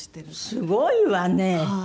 すごいわね！